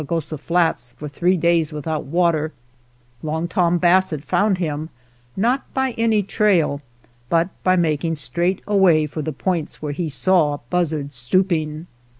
gossa Flats for three days without water, , Long Tom Basset found him, not by any I trail, but by making straight away for the \ points where he saw buzzards stooping.